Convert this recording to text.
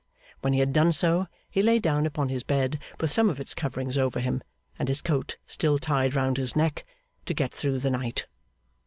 When he had so done, he lay down upon his bed with some of its coverings over him, and his coat still tied round his neck, to get through the night.